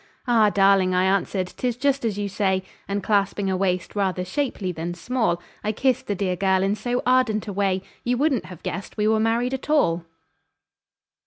"Ah! darling," I answered, "'tis just as you say;" And clasping a waist rather shapely than small, I kissed the dear girl in so ardent a way You wouldn't have guessed we were married at all!